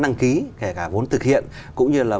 đăng ký kể cả vốn thực hiện cũng như là